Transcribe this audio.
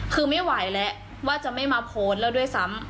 คือไม่ไหวแล้วว่าจะไม่มาโพสต์แล้วด้วยซ้ำ